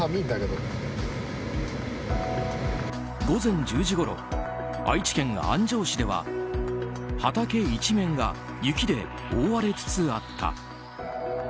午前１０時ごろ愛知県安城市では畑一面が雪で覆われつつあった。